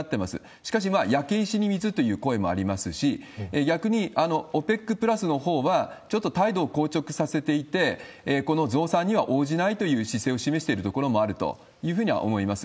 しかし、焼け石に水という声もありますし、逆にＯＰＥＣプラスのほうは、ちょっと態度を硬直させていて、この増産には応じないという姿勢を示しているところもあるというふうには思います。